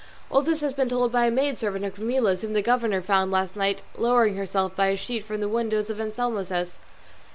All this has been told by a maid servant of Camilla's, whom the governor found last night lowering herself by a sheet from the windows of Anselmo's house.